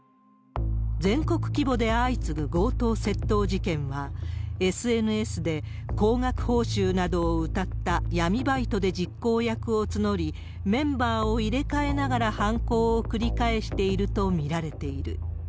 全国規模で相次ぐ強盗窃盗事件は、ＳＮＳで高額報酬などをうたった闇バイトで実行役を募り、メンバーを入れ替えながら犯行を繰り返していると見られている。